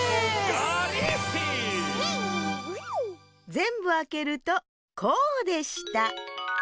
ぜんぶあけるとこうでした。